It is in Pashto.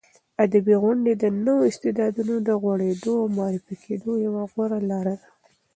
ادبي غونډې د نویو استعدادونو د غوړېدو او معرفي کېدو یوه غوره لاره ده.